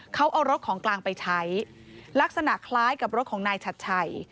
เขาเอารถของกลางไปใช้ลักษณะคล้ายกับรถของนายชัดชัย